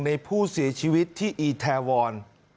ในผู้เสียชีวิตที่อีแทวร